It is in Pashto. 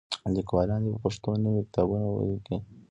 لیکوالان دې په پښتو نوي کتابونه ولیکي.